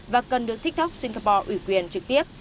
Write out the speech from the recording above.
và cần được tiktok singapore ủy quyền trực tiếp